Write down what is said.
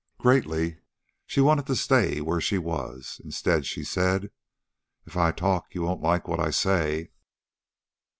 Greatly she wanted to stay where she was. Instead, she said: "If I talk, you won't like what I say."